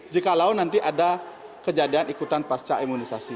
jika lalu nanti ada kejadian ikutan pasca imunisasi